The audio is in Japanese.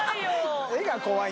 画が怖い。